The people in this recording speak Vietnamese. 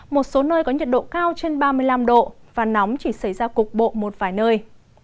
một số nơi có nhiệt độ cao trên ba mươi năm độ và nóng chỉ xảy ra cục bộ một vài nơi